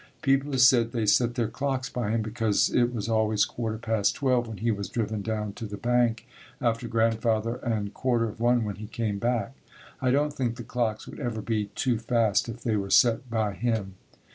People said they set their clocks by him because it was always quarter past 12 when he was driven down to the bank after Grandfather and quarter of 1 when he came back. I don't think the clocks would ever be too fast if they were set by him.